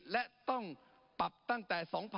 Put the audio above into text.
และต้องปรับตั้งแต่๒๕๖๒